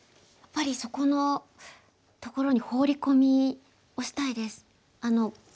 やっぱりそこのところにホウリ込みをしたいです。